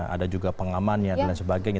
ada juga pengamannya dan lain sebagainya